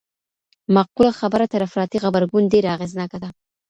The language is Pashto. معقوله خبره تر افراطي غبرګون ډېره اغېزناکه ده.